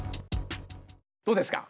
どうですか？